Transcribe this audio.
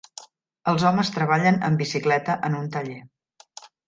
Els homes treballen en bicicleta en un taller